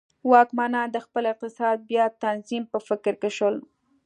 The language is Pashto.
واکمنان د خپل اقتصاد بیا تنظیم په فکر کې شول.